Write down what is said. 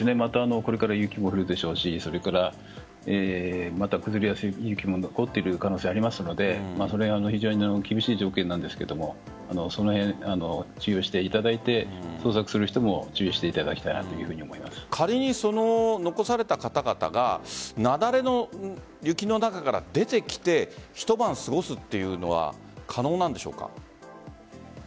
これから雪も降るでしょうし崩れやすい雪も残っている可能性がありますので非常に厳しい条件なんですけどもその辺注意をしていただいて捜索する人も仮に、残された方々が雪崩の雪の中から出てきて一晩過ごすというのは可能なんでしょうか？